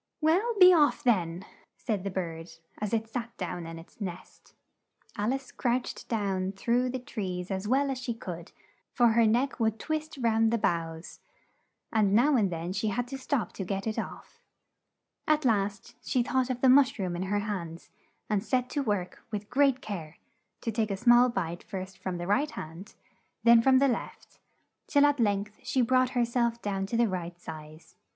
"Well, be off, then!" said the bird as it sat down in its nest. Al ice crouched down through the trees as well as she could, for her neck would twist round the boughs, and now and then she had to stop to get it off. At last, she thought of the mush room in her hands, and set to work with great care, to take a small bite first from the right hand, then from the left, till at length she brought her self down to the right size.